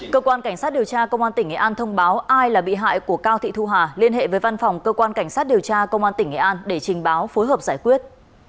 cơ quan cảnh sát điều tra công an tỉnh nghệ an thông báo ai là bị hại của cao thị thu hà liên hệ với văn phòng cơ quan cảnh sát điều tra công an tỉnh nghệ an để trình báo phối hợp giải quyết